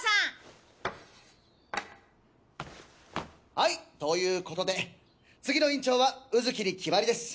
はい！ということで次の委員長は卯月に決まりです。